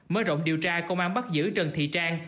mới rộng điều tra công an bắt giữ trần thị trang